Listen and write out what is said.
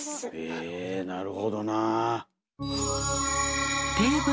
へえなるほどな。